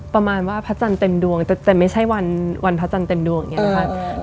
ประมาณว่าพระจันทร์เต็มดวงแต่ไม่ใช่วันพระจันทร์เต็มดวงอย่างนี้นะคะ